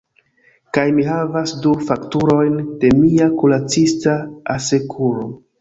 Kaj mi havas du fakturojn de mia kuracista asekuro.